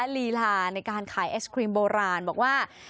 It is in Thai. ลีลาในการขายไอศครีมโบราณบอกว่า